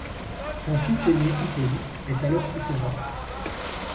Son fils aîné Hippolyte est alors sous ses ordres.